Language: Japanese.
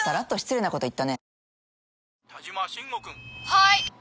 「はい」